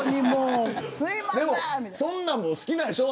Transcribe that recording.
そんなのも好きなんでしょう。